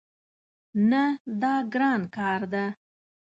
نه، دا ګران کار ده